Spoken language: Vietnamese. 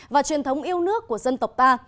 và truyền thống yêu nước của dân tộc ta